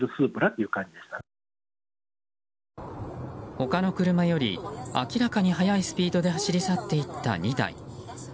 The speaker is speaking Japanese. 他の車より明らかに速いスピードで走り去っていった２台。